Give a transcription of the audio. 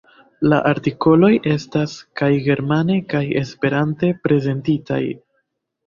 La artikoloj estas kaj germane kaj Esperante prezentitaj.